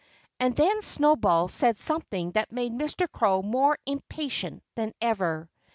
And then Snowball said something that made Mr. Crow more impatient than ever.